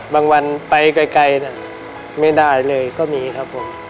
วันไปไกลไม่ได้เลยก็มีครับผม